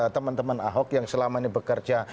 teman teman ahok yang selama ini bekerja